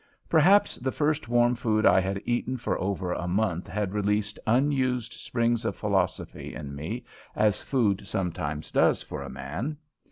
Perhaps the first warm food I had eaten for over a month had released unused springs of philosophy in me, as food sometimes does for a man.